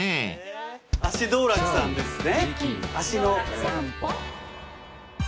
足道楽さんですね。